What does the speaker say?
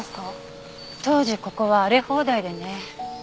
当時ここは荒れ放題でね。